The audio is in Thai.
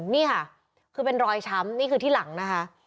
นี่ค่ะคือเป็นรอยช้ำนี่คือที่หลังนะคะ